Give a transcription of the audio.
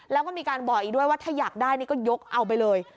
แล้วก็มีการบอกอีกด้วยว่าถ้าอยากได้นี่ก็ยกเอาไปเลย